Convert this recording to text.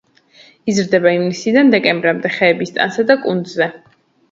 იზრდება ივნისიდან დეკემბრამდე ხეების ტანსა და კუნძზე.